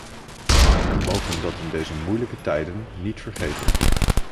We mogen dat in deze moeilijke tijden niet vergeten.